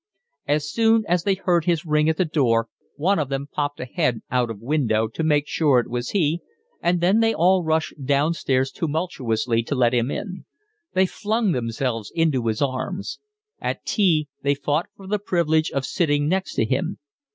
As soon as they heard his ring at the door one of them popped a head out of window to make sure it was he, and then they all rushed downstairs tumultuously to let him in. They flung themselves into his arms. At tea they fought for the privilege of sitting next to him.